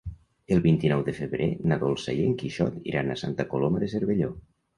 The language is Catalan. El vint-i-nou de febrer na Dolça i en Quixot iran a Santa Coloma de Cervelló.